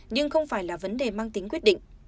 nhưng không phải là vấn đề mang tính quyết định